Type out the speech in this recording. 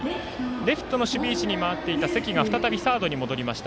レフトの守備位置に回っていた関が再びサードに戻りました